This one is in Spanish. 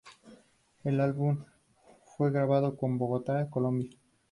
El álbum fue grabado en Bogotá, Colombia.